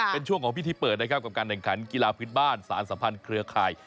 เป็นช่วงของพิธีเปิดนะครับกับการแข่งขันกีฬาพื้นบ้านสารสัมพันธ์เครือข่าย